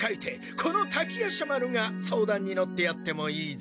この滝夜叉丸が相談に乗ってやってもいいぞ。